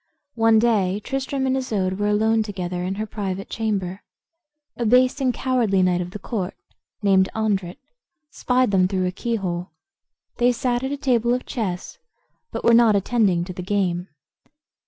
One day Tristram and Isoude were alone together in her private chamber. A base and cowardly knight of the court, named Andret, spied them through a keyhole. They sat at a table of chess, but were not attending to the game.